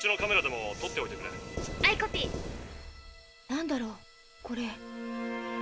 なんだろうこれ。